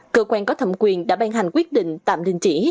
cơ quan có thẩm quyền đã ban hành quyết định tạm đình chỉ